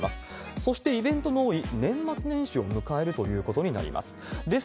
そしてイベントの多い年末年始を迎えるということになります。